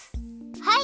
はい！